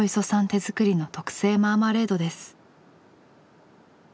手作りの特製マーマレードです。